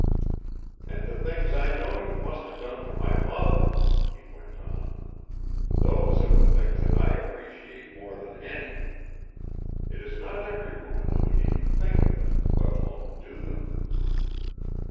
"And the things I know you must have done for my mother," he went on. "Those are the things that I appreciate more than any. It is not every woman who would even think of them, let alone do them."